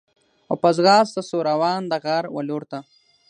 او په ځغاسته سو روان د غار و لورته